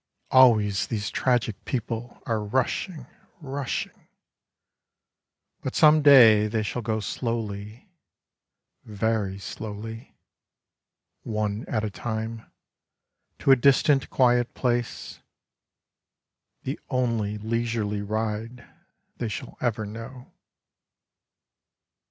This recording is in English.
Always these tragic people are rushing, rush ing. ... But some day they shall go slowly, very slowly. One at a time, to a distant quiet place — The only leisurely ride they shall ever know.